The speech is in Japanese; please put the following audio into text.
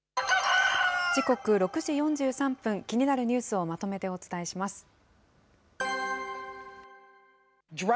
時刻６時４３分、気になるニュースをまとめてお伝えします。